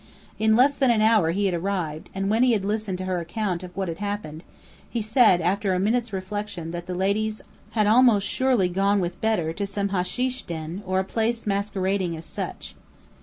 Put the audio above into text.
In less than an hour he arrived, and when he had listened to her account of what had happened, he said after a minute's reflection that the ladies had almost surely gone with Bedr to some hasheesh den, or a place masquerading as such.